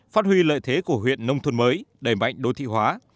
phát huy lợi thế của huyện nông thôn mới đẩy mạnh đô thị hóa